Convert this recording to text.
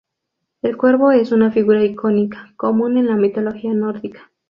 El cuervo es una figura icónica común en la mitología nórdica.